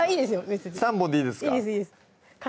別に３本でいいですか？